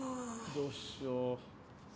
どうしよう。